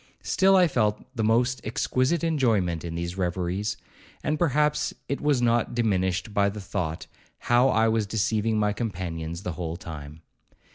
Still I felt the most exquisite enjoyment in these reveries, and perhaps it was not diminished by the thought how I was deceiving my companions the whole time.